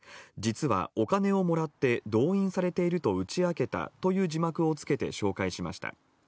「実はお金をもらって動員されていると打ち明けた」という字幕を付けて紹介しました。